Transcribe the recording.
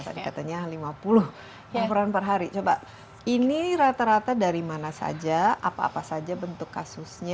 tadi katanya lima puluh laporan per hari coba ini rata rata dari mana saja apa apa saja bentuk kasusnya